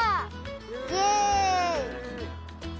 イエイ！